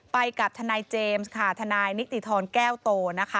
ไปกับทนายเจมส์ทนายนิติทรแก้วโต